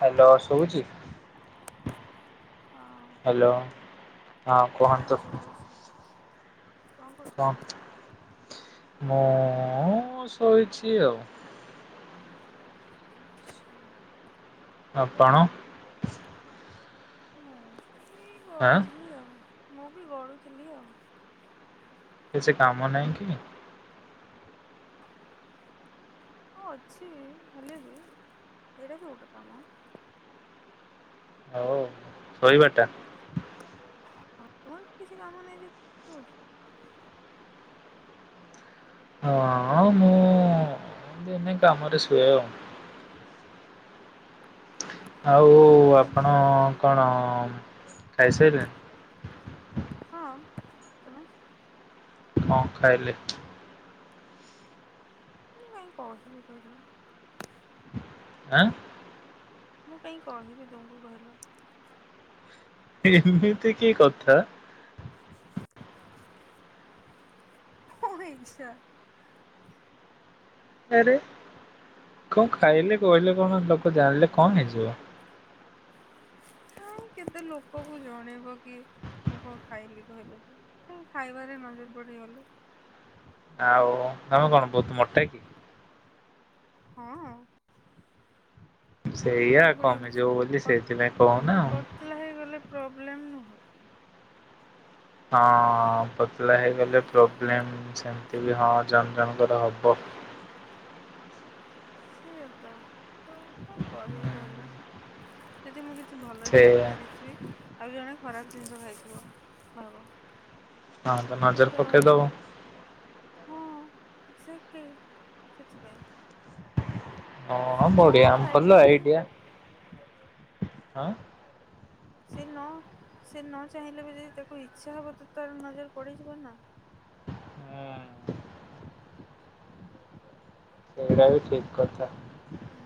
Hello ଶୁଭୁଛି? ହଁ। Hello ହଁ କୁହନ୍ତୁ। କଣ ମୁଁ ଶୋଇଛି ଆଉ ହୁଁ। ଆପଣ? ମୁଁ ବି ଆଁ ଗଢୁଥିଲି ଆଉ ମୁଁ ବି ଗଢୁଥିଲି ଆଉ। କିଛି କାମ ନାଇଁ କି? ହଁ ଅଛି ହେଲେ ବି ଏଇଟା ବି ଗୋଟେ କାମ। ହଉ ଶୋଇବା ଟା। ତୋର କିଛି କାମ ନାଇଁ ଯେ ହଁ ମୁଁ ଦିନେ କାମରେ ଶୁଏ ଆଉ। ଆଉ ଦିନେ ଆପଣ କଣ ଖାଇସାରିଲେଣି। ହଁ ତମେ। କଣ ଖାଇଲେ? ମୁଁ କାହିଁ କହିବି କହିଲ। ଆଁ ମୁଁ କାଇଁ କହିବି ତୁମକୁ କହିଲ। ଏମିତି କି କଥା। ମୋ ଇଛା। ଆରେ କାଇଁ କେତେ ଲୋକ କୁ ଜଣେଇବ କି। ମୁଁ କଣ ଖାଇଲି କହିଲ ତ କା ଖାଇବାରେ ନଜର ପଡିଗଲେ। ଆଉ ତମେ କଣ ବହୁତ ମୋଟା କି। ହଁ। ସେଇଆ ତୁମେ କମି ଯିବ ବୋଲି ପୁଣି ସେଇଥିପାଇଁ କହୁନା ଆଉ। ପତଲା ହେଇଗଲେ ପ୍ରୋବ୍ଲେମ୍ ନୁହଁ କି। ହଁ ପତଲା ହେଇଗଲେ ପ୍ରୋବ୍ଲେମ୍ ସେମତି ବି ହଁ ଜଣ ଜଣଙ୍କର ହବ। ସେୟା ତ ମୁଁ କାଇଁ କହିବି କହିଲ। ଯଦି ମୁଁ କିଛି ଭଲ ସେ ଜିନିଷ ଖାଇ ଦେଇଥିବି। ଆଉ ଜଣେ ଖରାପ ଜିନିଷ ଖାଇଥିବ ଭାବ। ହଁ ତ ନଜର ପକେଇଦବ। ହଁ ସେକେ ସେଥିପାଇଁ। ସେ ହଁ ନ ବଢିଆ ଆମ ଖାଇଲେ ଭଲ ବି ଆଇଡିଆ ହାଁ। ସେ ନ ସେ ନ ଚାହିଁଲେ ବି ଯଦି ତାକୁ ଇଚ୍ଛା ହବ ତ ତାର ନଜର ପଡିଯିବ ନା। ହୁଁ ସେଇଟା ବି ଠିକ୍ କଥା। ହୁଁ।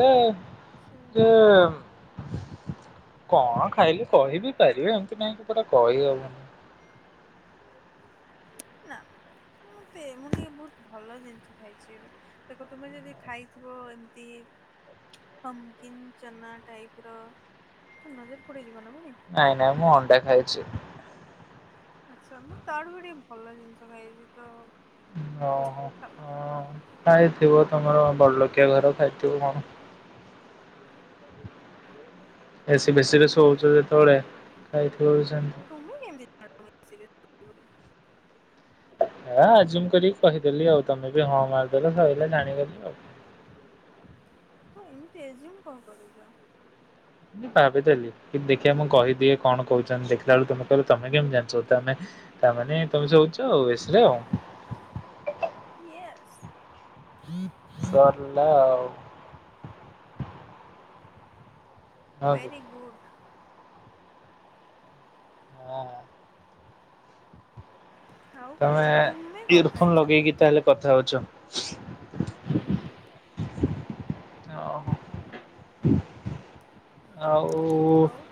ହେଲେ ସେ ଯେ କଣ ଖାଇଲେ କହିିବି ପାରିବେ ଏମିତି ନାହିଁ ପୁରା କହିହବନି। ନା ନା ମତେ ମୁଁ ଟିକେ ବହୁତ ଭଲ ଜିନିଷ ଖାଇଛି ଏବେ। ଦେଖ ତୁମେ ଯଦି ଖାଇଥିବ ଏମିତି। ପମ୍କିନ୍ ଚନା ଟାଇପ୍ ର ତ ନଜର ପଡିଯିବ ନା ପୁଣି। ନାଇଁ ନାଇଁ ମୁଁ ଅଣ୍ଡା ଖାଇଛି। ଆଚ୍ଛା ମୁଁ ତାଠୁ ବି ଟିକେ ଭଲ ଜିନିଷ ଖାଇଛି ତ। ଓହୋ ଥାଉ ହଁ କହିବାନି ଖାଇଥିବ ତମର ବଡଲୋକିଆ ଘର ଖାଇଥିବ କଣ। ଏ ସି ଫେସିରେ ହଁ ଶୋଉଛ ଯେତବେଳେ ଖାଇଥିବ ବି ସେମ ତମେ କେମିତି ଜାଣିଲ ମୁଁ ଏ ସିରେ ହେ ଆଜୁମ କରିକି କହିଦେଲି ଆଉ ତମେ ବି ହଁ ମାରିଦେଲ ସଇଲା ଜାଣିଗଲି ଆଉ। ତ ଏମିତି ଏଯ୍ୟୁମ୍ କଣ କରୁଛ? ଭାବିଦେଲି କି ଦେଖିବା ମୁଁ କହିଦିଏ କଣ କହୁଛନ୍ତି ଦେଖିଲା ବେଳୁକୁ ତୁମେ କହିଲ ତମେ କେମତି ଜାଣିଛ ତମେ। ତାମାନେ ତମେ ଶୋଉଛ ଆଉ ଏ ସିରେ ଆଉ। ୟେସ୍। ସରିଲା ଆଉ। ହଁ କି। Very good. ହଁ। ଆଉ ତମେ ତୁମେ କଣ ଇୟର ଫୋନ ଖାଇଛ ଲଗେଇକି ତାହେଲେ କଥା ହଉଛ? ହୁଁ। ଓହୋ ଆଉ ଆଉ।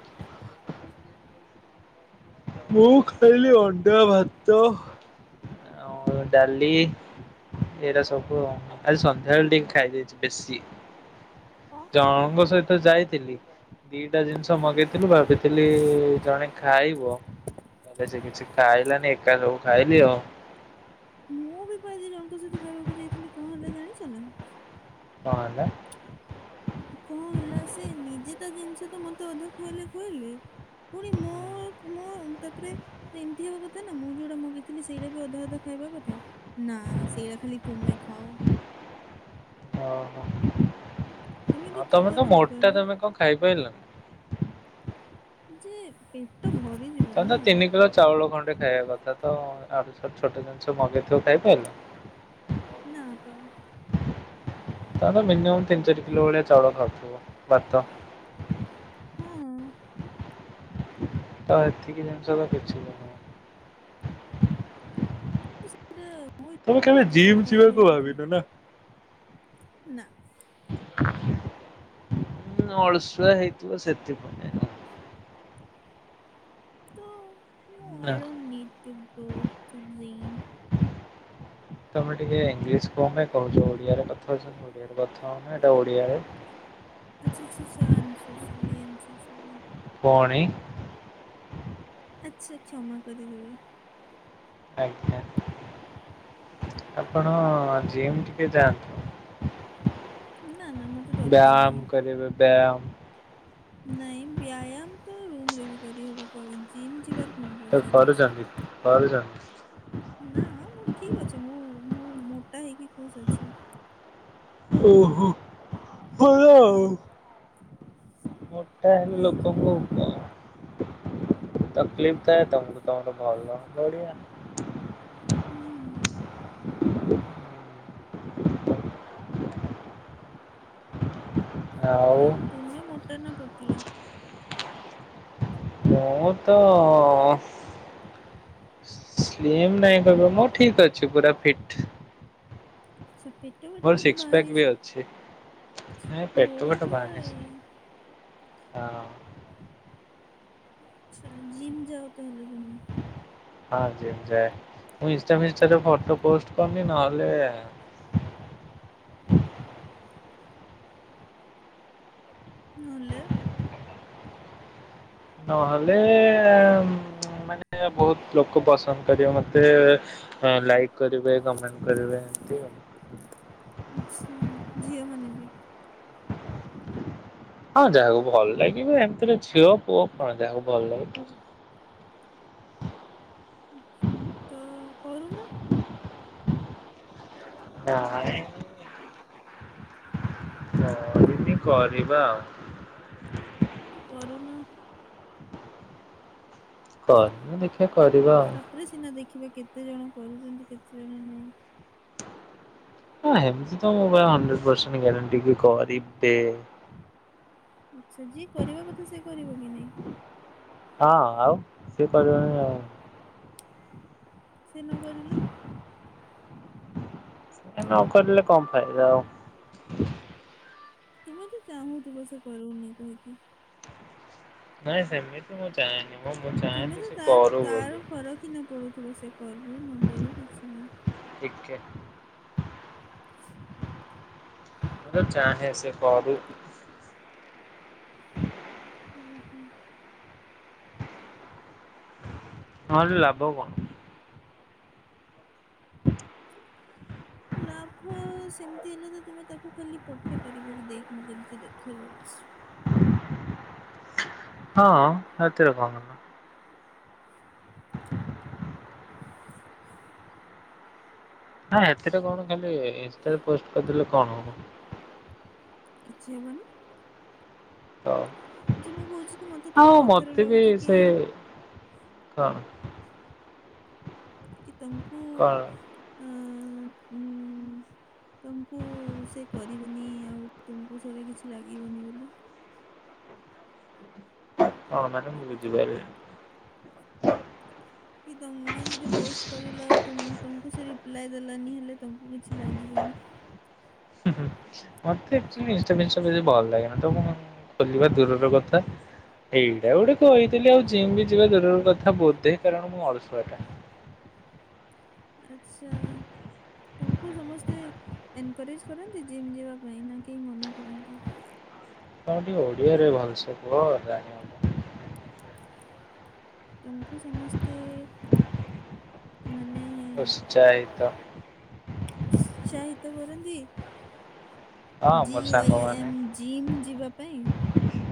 ମୁଁ ଖାଇଲି ଅଣ୍ଡା, ଭାତ। ଆଉ ଡାଲି। ଏଇରା ସବୁ ଆଉ ଆଜି ସନ୍ଧ୍ୟାବେଳେ ଟିକେ ଖାଇ ଦେଇଛି ବେଶୀ। କଣ ଜଣଙ୍କ ଖାଇଥିଲ ସହିତ ଯାଇଥିଲି ଦିଟା ଜିନିଷ ହୁଁ ମଗେଇଥିଲୁ ଭାବି ଥିଲି ଜଣେ ଖାଇବ ତାପରେ ସେ କିଛି ଖାଇଲାନି ଏକା ସବୁ ଖାଇଲି ଆଉ। ମୁଁ ବି କ ଆଜି ଜଣଙ୍କ ସହିତ ଖାଇବାକୁ ଯାଇଥିଲି କଣ ହେଲା ଜାଣିଛ ନା? କଣ ହେଲା? କଣ ହେଲା ସେ ନିଜେ ତା ଜିନିଷ ତ ମତେ ଅଧା ଖୁଏଇଲେ ଖୁଏଇଲେ। ପୁଣି ମୋ କ ମୋ ତାପରେ। ତ ଏମିତି ହବା କଥା ନା ମୁଁ ଯୋଉଟା ମଗେଇଥିଲି ସେଇଟା ବି ଅଧା ଅଧା ଖାଇବା କଥା। ନା ସେଇଟା ଖାଲି ତୁମେ ଖାଅ। ଓହୋ ଏମିତି ଆଉ କିଏ ତମେ ତ କରନ୍ତି ମୋଟା କହିଲ ତମେ କଣ ଖାଇପାଇଲ? ଯେ ପି ତମେ ତ ତିନି କିଲୋ ଚାଉଳ ଖଣ୍ଡେ ଖାଇବା କ ତ ଆଡେ ଛୋ-ଛୋଟ ଜିନିଷ ମଗେଇଥିବ ଖାଇପାଇଲ? ନା ପା। ତମେ ତ ମିନିମମ ତିନ ଚାରି କିଲୋ ଭଳିଆ ଚାଉଳ ଖାଉଥିବ ଭାତ। ହଁ। ତ ଏତିକି ଜିନିଷ ତ କିଛି ନୁହ। ମୁଁ ସେଇଟା ମୁଁ ତମେ ମୁଁ କେବେ କେତେବେଳେ ଜିମ୍ ଖାଇନି ଯିବାକୁ ଇଏ ଭାବିନ ନା? କରୁଥିନି ନା। [unintelligible] [inaudible] ଅଳସୁଆ ହେଇଥିବ ସେଥିପାଇଁ। ତ ମୁଁ ଆ ନା। I don't need to go to dream. ତମେ ଟିକେ ଇଙ୍ଗଲିଶ କଣ ପାଇଁ କହୁଛ ଓଡିଆରେ କ କଥା ହଉଚ ଓଡିଆରେ କଥା ହଉନ ଏଟା ଓଡିଆରେ। ଆଚ୍ଛା ଆଚ୍ଛା ଆଚ୍ଛା ଆମ ସୋ ସରୀ ଆମ ସୋ ସରି। ପୁଣି। ଆଚ୍ଛା କ୍ଷମା କରିଦେବେ। ଆଜ୍ଞା ଆପଣ ଜୀମ ଟିକେ ଯାଆନ୍ତୁ। ନା ନା ମ ବ୍ୟାୟାମ କରିବେ ବ୍ୟାୟାମ। ନାଇଁ ବ୍ୟାୟାମ ତ ରୁମ ରେ ବି କରିହେବ ତ ଜିମ୍ ଯିବାର କଣ ଦରକାର ଅଛି? କରୁଛ। ନା ମୁଁ ଠିକ ଅଛି ମୁଁ ମୁଁ ମୋଟା ହେଇକି ଖୁସ୍ ଅଛି। ଓହୋ ଭଲ ଆଉ। ହୁଁ ମୋଟା ହେଲେ କାହିଁ ଯିବ ଲୋକଙ୍କ ଉପ ତକଲିଫ ଥାଏ ତମକୁ ତମର ଭଲ [unintelligible] ହୁଁ ହୁଁ। ଆଉ ତୁମେ ମୋଟା ନା ପତଲା? ମୁଁ ତ ସ୍ଲିମ୍ ନାଇଁ କହିବ ମୁଁ ଠିକ ଅଛି ପୁରା ଫିଟ୍। ଆଚ୍ଛା ପେଟ ଫେଟ ମୋର ବୋଧେ ସିକ୍ସ ପ୍ୟାକ୍ ବି ବାହାରିଛି? ଅଛି। ନାଇଁ ଓ ପେଟ ଫେଟ ଭାଇ ବାହାରିଛି ହଁ। ଆଚ୍ଛା। ଜିମ୍ ଯାଅ ତାହେଲେ ତୁମେ? ହଁ ଜିମ୍ ଯାଏ। ମୁଁ ଇନ୍ଷ୍ଟା ଫିଷ୍ଟାରେ ଫଟୋ ପୋଷ୍ଟ କରୁନି ନହଲେ ନହେଲେ ନହେଲେ ମାନେ ବହୁତ ଲୋକ ପସନ୍ଦ କରିବେ ମତେ ଲାଇକ କରିବେ, କମେଣ୍ଟ କରିବେ, ଏମତି ଆଉ। ଆଚ୍ଛା। ଝିଅ ମାନେ ବି? ହଁ ଯାହାକୁ ଭଲ ଲାଗିବ, ଏମତିରେ ଝିଅ ପୁଅ କଣ ଯାହାକୁ ଭଲ ଲାଗିବ। ଆଚ୍ଛା। ତ କରୁନ। ନାଇଁ କରିନି, କରିବା ଆଉ। ତ କରୁନ। କରୁନି ଦେଖିବା କରିବା ଆଉ। ତାପରେ ସିନା ଦେଖିବା କେତେ ଜଣ କରୁଛନ୍ତି କେତେ ଜଣ ନାହିଁ? ହଁ ଏମତି ତ ମୋ ପାଇଁ ହଣ୍ଡ୍ରେଡ ପରସେଣ୍ଟ ଗ୍ୟାରେଣ୍ଟି ବି କରିବେ। ଆଚ୍ଛା। ଯିଏ କରିବା କଥା ସିଏ କରିବ କି ନାଇଁ? ହଁ ଆଉ। ସିଏ କରିବନି ଆଉ ସିଏ ନକରିଲେ? [unintelligible] ସିଏ ନକରିଲେ କଣ ଫାଇଦା ଆଉ। ତୁମେ ତ ଚାହୁଁଥିବ ସେ କରଉନି କହିକି। ନାଇଁ ସେମିତି ମିତି ମୁଁ ଚାହେଁନି। ମୁଁ ମୁଁ ଚାହେଁ ତୁମେ କି ତ ସେ ତାର କରୁ ତାର ବୋଲି ଫରକ ହି ନ ପଡୁଥିବ ସେ କରିବୁ ନ କରିବୁ କିଛି ନାହିଁ। ଦେଖିଆ। ହ ମୁଁ ତ ଚାହେଁ ସେ କରୁ। ଉଁ ହୁଁ। ହଁ ରେ ଲାଭ କଣ? ଲାଭ ସେମତି ହେଲେ ତୁମେ ତାକୁ ଖାଲି ପଠେଇ ପାରିବ କି, ଦେଖ ମୁଁ କେମତି ଦେଖାଯାଉଛି? ହଁ, ସେଥିରେ କଣ? ନା ହେଥିରେ କଣ ଖାଲି ଇନଷ୍ଟାରେ ପୋଷ୍ଟ କରିଦେଲେ କଣ ହବ? କିଛି ହବନି। ତ ଯେ ମୁଁ କହୁଛି କି ମତେ ତୁମ ଆଉ କଥାରୁ ମତେ ବି ଲାଗୁଛି କି ସେ କଣ? କି ତମକୁ କଣ ଅ ଉଁ [unintelligible] ତମକୁ ସେ କରିବନି ଆଉ ତୁମକୁ ସେଇଟା କିଛି ଲାଗିବନି ବୋଲି। ହଁ ମ୍ୟାଡ଼ାମ, ମୁଁ ବୁଝିପାଇଲିନି। କି ତମେ ଯଦି ପୋଷ୍ଟ କରିଲ ଆଉ ତୁ ତମକୁ ସେ ରିପ୍ଲାଏ ଦେଲାନି ହେଲେ ତମକୁ କିଛି ଲାଗିବନି? ହୁଁ ହୁଁ। ମୋତେ ଆକଚୁଆଲି ଇନଷ୍ଟା ଫିନିଷ୍ଟା ଟା ବେଶୀ ଭଲ ଲାଗେନା ତ ମୁ ଖୋଲିବା ଦୂରର କଥା ଏଇଟା ଗୋଟେ କହିଦେଲି ଆଉ ଯିମ ବି ଯିବା ଦୂରର କଥା ବୋଧେ କାରଣ ମୁଁ ଅଳସୁଆଟା। ଆଛା। ତମକୁ ସମସ୍ତେ ଏନକରେଜ କରନ୍ତି ଜିମ୍ ଯିବା ପାଇଁ ନା କେହି ମନା କରନ୍ତି? ତମେ ଟିକେ ଓଡ଼ିଆରେ ଭଲସେ କୁହ ଜାଣି ତମକୁ ସମସ୍ତେ ମାନେ ଉତ୍ସାହିତ। ଚାହିତ୍ କରନ୍ତି? ହଁ ମୋର ଜିୱାଇ ସାଙ୍ଗମାନେ ଏମ ଜିମ୍ ଯିବା ପାଇଁ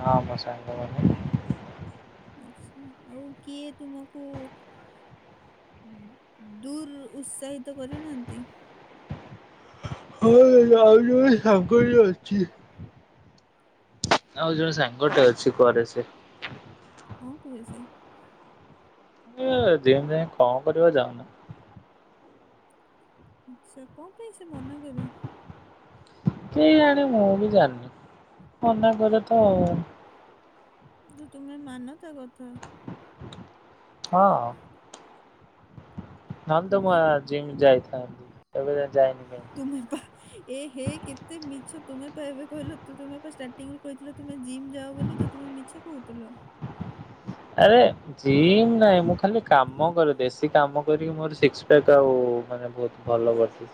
ହଁ ମୋ ସାଙ୍ଗମାନେ। ଆଛା ଆଉ କିଏ ତୁମକୁ ଦୂର ଉତ୍ସାହିତ କରିନାହାନ୍ତି। ହଁ ଆଉ ଯ ସାଙ୍ଗରେ ଅଛି। ଆଉ ଗୋଟେ ସାଙ୍ଗଟେ ଅଛି କରେ ସେ କଣ କୁହେ ସେ? ଯେଁ ଜିମ୍ ଯାଇଙ୍କି କଣ କରିବ ଯାଉନ ଆଚ୍ଛା କଣ ପାଇଁ ସେ ମନା କରେ? କେଜାଣି ମୁଁ ବି ଜାଣିନି ମନା କରେ ତ ଆଉ। ତ ତୁମେ ମାନ ତା କଥା? ହଁ। ନହେଲେ କଣ ତ ମୁଁ ଆ ପାଇଁ? ଜିମ୍ ଯାଇଥାନ୍ତି ଏବେ ଯାଇନି କାହିଁ ତୁମେ ପା ଏ ହେ କେତେ ମିଛ ତୁମେ ପା ଏବେ କହିଲ ତ ତୁମେ ପା ଷ୍ଟାର୍ଟିଂରୁ କହିଥିଲ ତୁମେ ଜିମ୍ ଯାଅ ବୋଲି କେ ତୁମେ ମିଛ କହୁଥିଲ? ଆରେ ଜିମ୍ ନାଇଁ ମୁଁ ଖାଲି କାମ କରେ ଦେଶୀ କାମ କରିକି ମୋର ସିକସ ପ୍ୟାକ୍ ଆଉ ମାନେ ବହୁତ ଭଲ କରିଛି।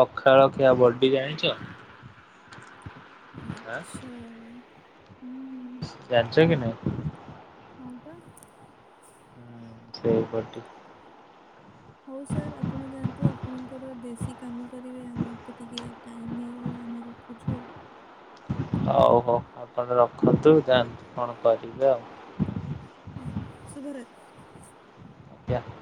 ପଖାଳ ଖିଆ ବଡି ଜାଣିଛ? ଆଁ ଆଚ୍ଛା ହୁଁ। ଜାଣିଛ କି ନାହିଁ? ହଁ ପା। ସେଇ ପଟି ହଉ ସାର୍ ଆପଣ ଯାଆନ୍ତୁ ଆପଣଙ୍କର ଦେଶୀ କାମ କରିବେ ଆମର ତ ଟିକେ ଟାଇମ୍ ହେଇଗଲା ଆମେ ରଖୁଛୁ ଆଉ। ହଉ ହଉ ଆପଣ ରଖନ୍ତୁ ଯାନ୍ତୁ କଣ କରିବେ ଆଉ। ହୁଁ ଶୁଭରାତ୍ରି। ଜ୍ଞା